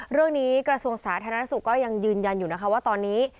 เรื่องนี้กระทรวงสาธารณสุขยังยืนยันอยู่นะคะว่าตอนนี้